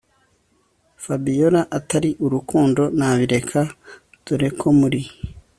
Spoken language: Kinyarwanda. Fabiora atari urukundo nabireka dore ko muri